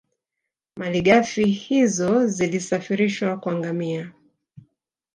Malighafi hizo zilisafirishwa kwa ngamia